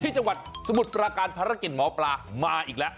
จังหวัดสมุทรปราการภารกิจหมอปลามาอีกแล้ว